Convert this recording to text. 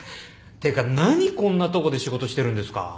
てか何こんなとこで仕事してるんですか。